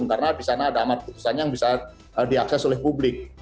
karena di sana ada amat keputusannya yang bisa diakses oleh publik